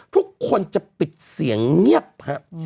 ทุกคนจะปิดเสียงเงียบครับ